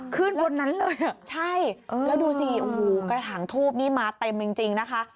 ขึ้นบนนั้นเลยเหรออืมใช่แล้วดูสิกระถังทูบนี่มาเต็มจริงนะคะ